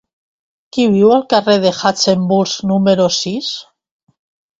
Qui viu al carrer de Hartzenbusch número sis?